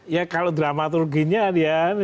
ya kalau dramaturginya dian